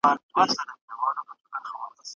¬ هم ئې سکڼي، هم ئې رغوي.